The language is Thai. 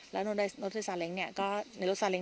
แล้วรถสาเล้งนั่งกันหลายคน